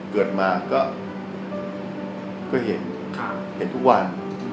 เกิดมาก็เห็นทุกวัน